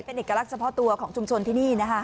เป็นเอกลักษณ์เฉพาะตัวของชุมชนที่นี่นะคะ